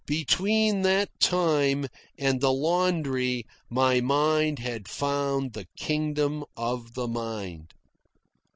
Between that time and the laundry my mind had found the kingdom of the mind.